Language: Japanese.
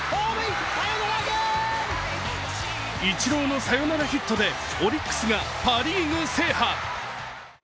イチローのサヨナラヒットでオリックスがパ・リーグ制覇。